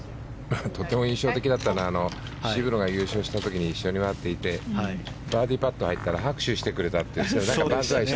とても印象的だったのは渋野が優勝した時に一緒に回っていてバーディーパットが入ったら拍手してくれたって。